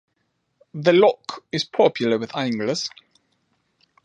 The loch is popular with anglers.